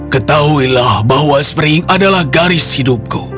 ketahuilah bahwa spring adalah garis hidupku